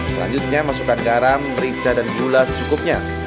selanjutnya masukkan garam merica dan gula secukupnya